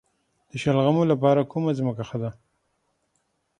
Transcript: د شلغمو لپاره کومه ځمکه ښه ده؟